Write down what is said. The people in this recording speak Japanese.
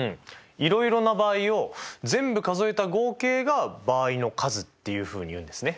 いろいろな場合を全部数えた合計が場合の数っていうふうに言うんですね。